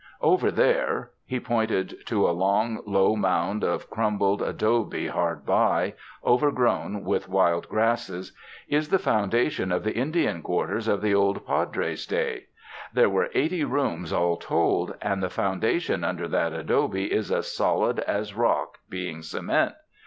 Over there" — he pointed to a long, low mound of crumbled adobe hardby, overgrown with wild grasses — "is the foundation of the Indian quarters of the old Padres' day. There were eighty rooms all told, and the foundation under that adobe is as solid as rock, being cement.